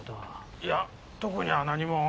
いや特には何も。